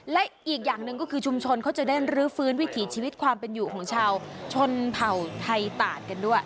และอีกอย่างหนึ่งก็คือชุมชนเขาจะได้รื้อฟื้นวิถีชีวิตความเป็นอยู่ของชาวชนเผ่าไทยตาดกันด้วย